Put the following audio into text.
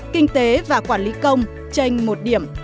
kinh tế và quản lý công tranh một điểm